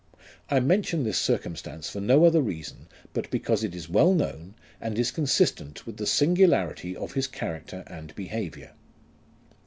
I mention this circumstance for no other reason but because it is well known, and is consistent with the singularity of his character and behaviour.